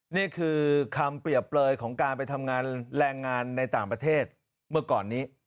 นี่คือคำเปรียบเปลยของการไปทำงานแรงงานในต่างประเทศเมื่อก่อนนี้